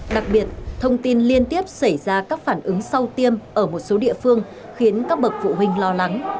đặc biệt thông tin liên tiếp xảy ra các phản ứng sau tiêm ở một số địa phương khiến các bậc phụ huynh lo lắng